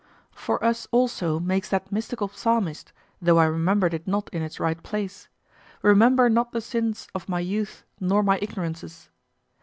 For us also makes that mystical Psalmist, though I remembered it not in its right place, "Remember not the sins of my youth nor my ignorances."